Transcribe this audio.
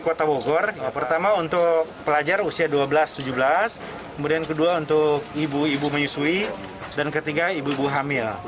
ketiga ibu menyusui dan ketiga ibu ibu hamil